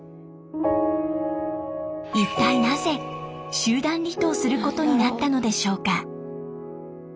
一体なぜ集団離島することになったのでしょうか？